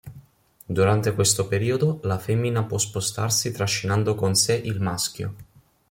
Durante questo periodo, la femmina può spostarsi trascinando con sé il maschio.